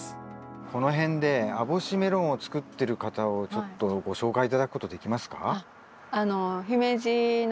この辺で網干メロンを作ってる方をちょっとご紹介頂くことできますか？